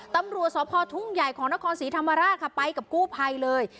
ตำรวจสพทุ่งใหญ่ของนครศรีธรรมราชค่ะไปกับกู้ภัยเลย